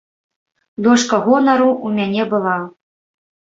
Дошка гонару у мяне была.